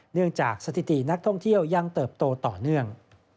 จากสถิตินักท่องเที่ยวยังเติบโตต่อเนื่อง